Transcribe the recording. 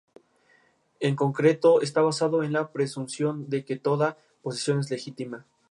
Es por ello que los reactores de agua ligera requieren uranio enriquecido.